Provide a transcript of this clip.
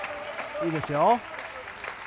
いいですよ。